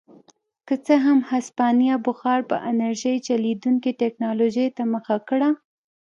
که څه هم هسپانیا بخار په انرژۍ چلېدونکې ټکنالوژۍ ته مخه کړه.